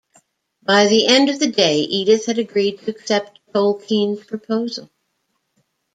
By the end of the day, Edith had agreed to accept Tolkien's proposal.